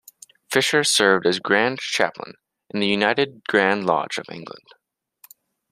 Fisher served as Grand Chaplain in the United Grand Lodge of England.